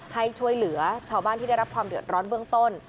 ให้ช่วยเหลือชาวบ้านที่ได้รับความเดือดร้อนเบื้องต้น